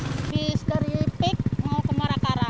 di dari pik mau ke muara karang